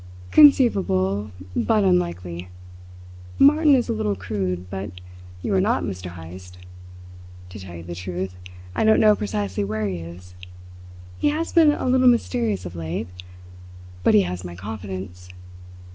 "Conceivable, but unlikely. Martin is a little crude; but you are not, Mr. Heyst. To tell you the truth, I don't know precisely where he is. He has been a little mysterious of late; but he has my confidence.